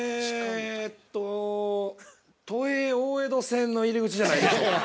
◆都営大江戸線の入り口じゃないでしょうか。